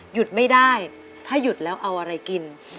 หยุดไม่ได้ถ้าหยุดแล้วเอาอะไรกิน